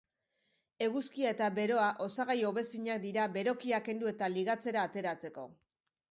Eguzkia eta beroa osagai hobezinak dira berokiak kendu eta ligatzera ateratzeko.